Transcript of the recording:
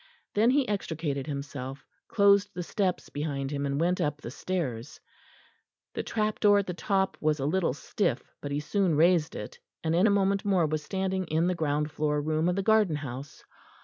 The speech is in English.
Then he extricated himself, closed the steps behind him, and went up the stairs. The trap door at the top was a little stiff, but he soon raised it, and in a moment more was standing in the ground floor room of the garden house.